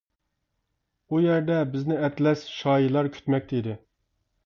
ئۇ يەردە بىزنى ئەتلەس، شايىلار كۈتمەكتە ئىدى.